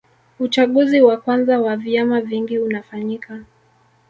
Uchaguzi wa kwanza wa vyama vingi unafanyika